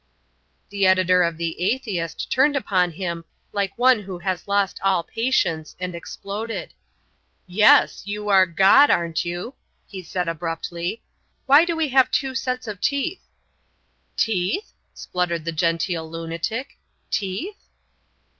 The editor of The Atheist turned upon him like one who has lost all patience, and exploded: "Yes, you are God, aren't you?" he said, abruptly, "why do we have two sets of teeth?" "Teeth?" spluttered the genteel lunatic; "teeth?"